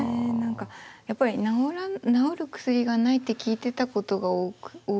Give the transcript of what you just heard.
やっぱり治る薬がないって聞いてたことが大きくて。